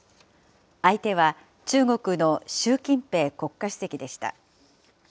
相手は中国の習近平国家主席でした。